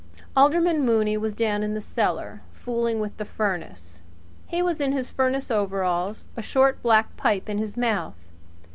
Alderman Mooney was down in the cellar fooling with the furnace. He was in his furnace overalls a short black pipe in his mouth.